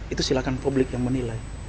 itu silahkan publik yang menilai